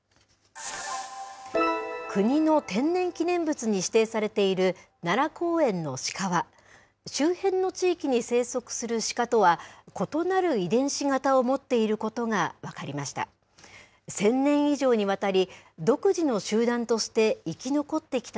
国の天然記念物に指定されている奈良公園のシカは、周辺の地域に生息するシカとは異なる遺伝子型を持っていることが分かりました。